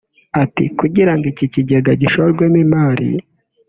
Ati “Kugira ngo iki kigega gishorwemo imari